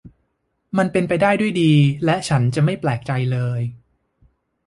มันเป็นไปได้ด้วยดี และฉันไม่แปลกใจเลย